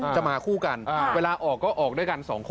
จะมาคู่กันเวลาออกก็ออกด้วยกัน๒คน